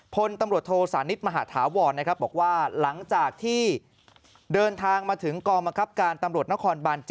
พลตำรวจโทสานิทมหาธาวรนะครับบอกว่าหลังจากที่เดินทางมาถึงกองบังคับการตำรวจนครบาน๗